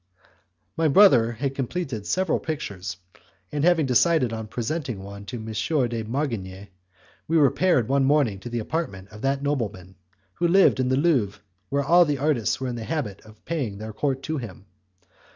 My brother had completed several pictures and having decided on presenting one to M. de Marigny, we repaired one morning to the apartment of that nobleman, who lived in the Louvre, where all the artists were in the habit of paying their court to him.